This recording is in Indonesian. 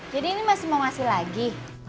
jadi ini masih mau ngasih lagi